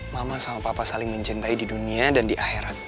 mama sama papa saling mencintai di dunia dan di akhirat